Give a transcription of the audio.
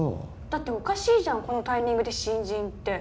だっておかしいじゃんこのタイミングで新人って。